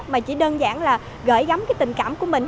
mà chỉ đơn giản là gửi gắm cái tình cảm của mình